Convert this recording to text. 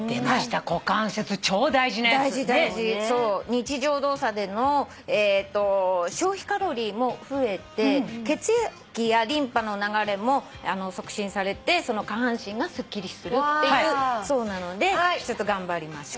日常動作での消費カロリーも増えて血液やリンパの流れも促進されて下半身がすっきりするそうなので頑張りましょう。